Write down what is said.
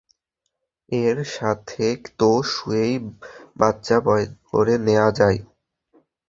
এর সাথে তো শুয়েই বাচ্চা পয়দা করে নেওয়া যায়।